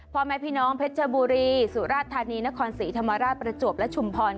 พ่อแม่พี่น้องเพชรบุรีสุราธานีนครศรีธรรมราชประจวบและชุมพร